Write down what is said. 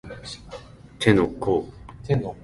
手の甲